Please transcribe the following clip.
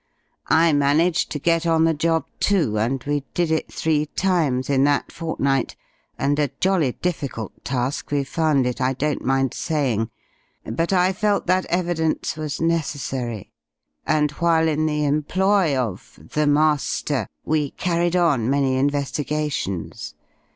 I managed to get on the job too, and we did it three times in that fortnight and a jolly difficult task we found it, I don't mind saying. But I felt that evidence was necessary, and while in the employ of 'the master' we carried on many investigations.